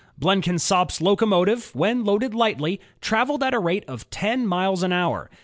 Blenkinsop's locomotive, when loaded lightly, traveled at the rate of ten miles an hour.